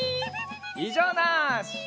いじょうなし！